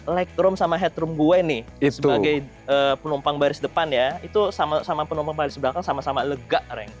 itu legroom sama headroom gua ini sebagai penumpang baris depan ya itu sama penumpang baris belakang sama sama lega reng